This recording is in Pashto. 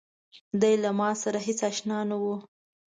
دی له ماسره هېڅ آشنا نه و.